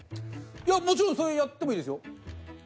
もちろんそれやってもいいですよ。